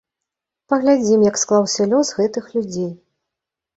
Паглядзім, як склаўся лёс гэтых людзей.